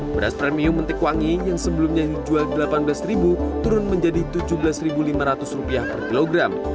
beras premium mentik wangi yang sebelumnya dijual rp delapan belas turun menjadi rp tujuh belas lima ratus per kilogram